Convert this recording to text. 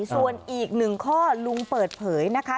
ส่วนอีกหนึ่งข้อลุงเปิดเผยนะคะ